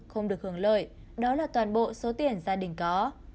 không được hưởng lợi đó là toàn bộ số tiền gia đình có